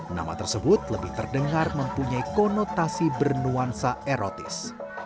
nama tersebut lebih terdengar mempunyai konotasi bernuansa erotis